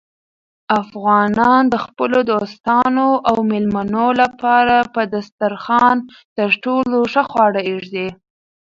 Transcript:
افغانان د خپلو دوستانو او مېلمنو لپاره په دسترخوان تر ټولو ښه خواړه ایږدي.